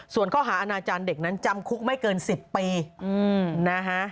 ส่วนข้อหาอาณาจารย์เด็กนั้นจำคุกไม่เกิน๑๐ปีนะฮะ